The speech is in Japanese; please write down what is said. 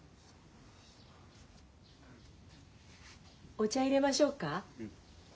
お茶いれましょうか？